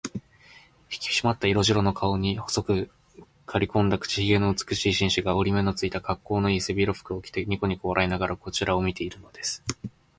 ひきしまった色白の顔に、細くかりこんだ口ひげの美しい紳士が、折り目のついた、かっこうのいい背広服を着て、にこにこ笑いながらこちらを見ているのです。